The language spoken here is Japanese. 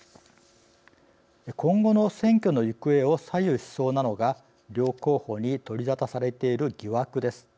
今後の選挙の行方を左右しそうなのが両候補に取り沙汰されている疑惑です。